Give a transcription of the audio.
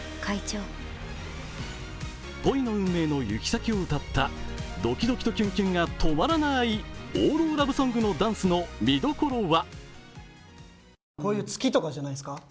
恋の運命の行き先を歌ったドキドキとキュンキュンが止まらない王道ラブソングのダンスの見どころは？